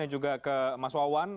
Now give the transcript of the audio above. dan juga ke mas wawan